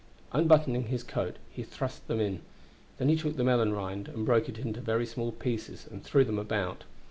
Unbuttoning his coat, he thrust them in; then he took the melon rind and broke it into very small pieces and threw them about.